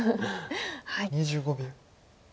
２５秒。